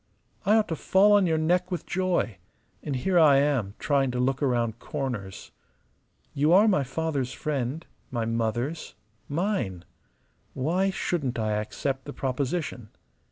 I ought to fall on your neck with joy: and here I am trying to look round corners! You are my father's friend, my mother's, mine. Why shouldn't I accept the proposition?